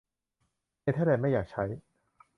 เนเธอร์แลนด์ไม่อยากใช้